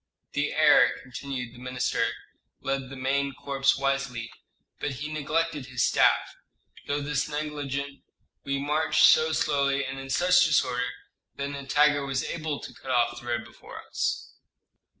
"The heir," continued the minister, "led the main corps wisely, but he neglected his staff; through this neglect we marched so slowly and in such disorder that Nitager was able to cut off the road before us."